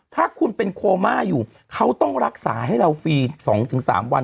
ถ้าคุณเป็นโคม่าอยู่เขาต้องรักษาให้เราฟรี๒๓วัน